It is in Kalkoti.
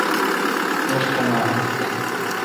مݭ تھ نال۔